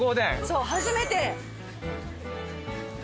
そう初めて。